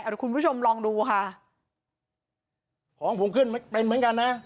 เดี๋ยวคุณผู้ชมลองดูค่ะของผมขึ้นเป็นเหมือนกันนะ